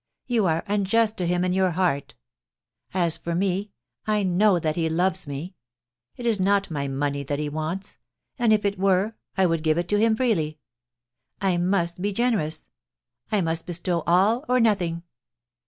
You are unjust to him in your heart. As for me, I know that he loves me. It is not my money that he wants — and if it were, I would give it to him freely. I must be generous. I must bestow all or nothing.